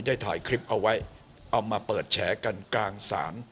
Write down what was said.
ได้ถ่ายคลิปเอาไว้เอามาเปิดแฉกันกลางศาล